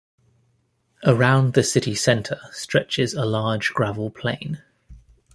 Around the city center stretches a large gravel plain.